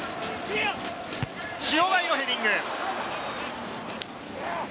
塩貝のヘディング。